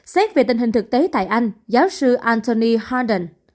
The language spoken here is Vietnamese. xét về tình hình thực tế tại anh giáo sư anthony harden